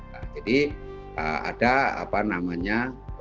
nah jadi ada apa namanya